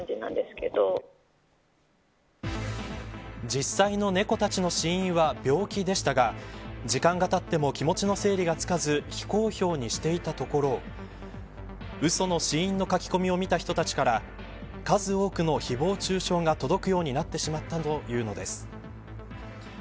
実際の猫たちの死因は病気でしたが時間がたっても気持ちの整理がつかず非公表にしていたところうその死因の書き込みを見た人たちから数多くのひぼう中傷が届くようになってしまったというのです。